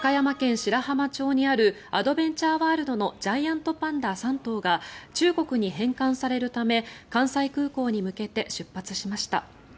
白浜町にあるアドベンチャーワールドのジャイアントパンダ３頭が中国に返還されるため関西空港に向けて出発しました。